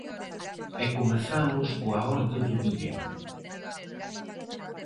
E comezamos coa orde do día.